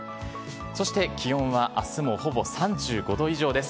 そして気温は明日もほぼ３５度以上です。